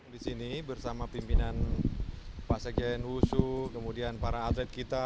di sini bersama pimpinan pak sekjen wushu kemudian para atlet kita